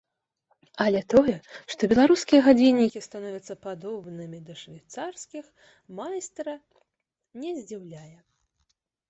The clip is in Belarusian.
Але тое, што беларускія гадзіннікі становяцца падобнымі да швейцарскіх, майстра не здзіўляе.